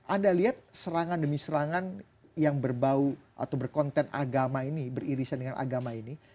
anda lihat serangan demi serangan yang berbau atau berkonten agama ini beririsan dengan agama ini